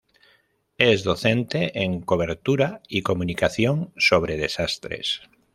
Es docente en cobertura y comunicación sobre desastres.